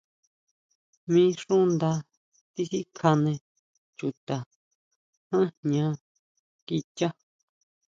Mí xú nda tisikjane chuta ján jña kichá.